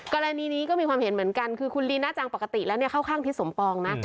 กรณีนี้ก็มีความเห็นเหมือนกันคือคุณลีน่าจังปกติแล้วเข้าข้างทิศสมปองนะ